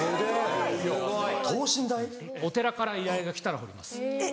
お寺から依頼が来たら彫ります。